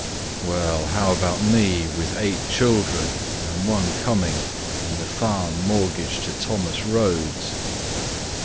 Well, how about me with eight children, And one coming, and the farm Mortgaged to Thomas Rhodes?